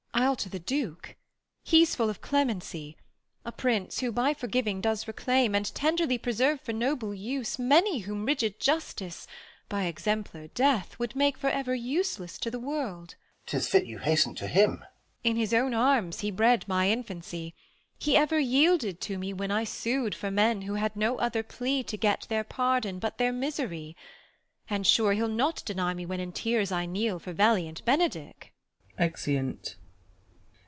Beat. I'll to the Duke! He's full of clemency; A Prince, who, by forgiving, does reclaim. And tenderly preserve for noble use, Many whom rigid justice, by exemplar death. Would make for ever useless to the world. THE LAW AGAINST LOVERS. 201 Balt. 'Tis fit you hasten to him. Beat. In his own arms he bred my infancy. He ever yielded to me Avhen I su'd For men who had no other plea to get Tlieir pardon but their misery ; and, sure, He'll not deny me when in tears I kneel For valiant Benedick. [Exeunt.